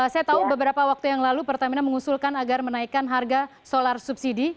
saya tahu beberapa waktu yang lalu pertamina mengusulkan agar menaikkan harga solar subsidi